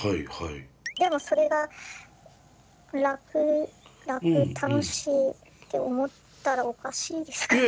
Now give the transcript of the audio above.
でもそれが楽楽楽しいって思ったらおかしいですかね？